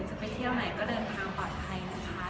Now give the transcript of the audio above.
จะไปเที่ยวไหนก็เดินทางปลอดภัยนะคะ